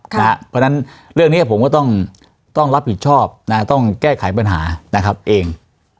เพราะฉะนั้นเรื่องนี้ผมก็ต้องรับผิดชอบต้องแก้ไขปัญหานะครับเอง